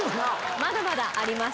まだまだあります。